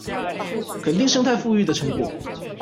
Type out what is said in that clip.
肯定生態復育的成果